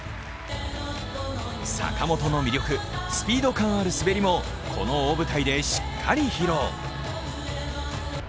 坂本の魅力、スピード感ある滑りもこの大舞台でしっかり披露。